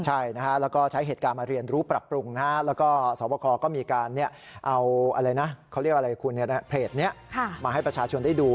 ใช่นะคะแล้วก็ใช้เหตุการณ์มาเรียนรู้ปรับปรุงแล้วก็สอบคลก็มีการเอาเพจนี้มาให้ประชาชนได้ดู